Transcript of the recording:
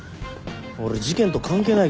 俺事件と関係ないけど。